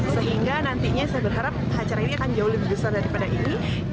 sehingga nantinya saya berharap acara ini akan jauh lebih besar daripada ini